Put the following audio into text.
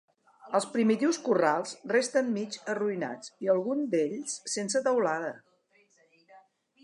Els primitius corrals resten mig arruïnats i algun d'ells sense teulada.